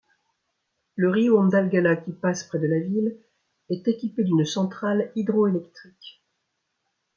Le río Andalgalá, qui passe près de la ville est équipé d'une centrale hydroélectrique.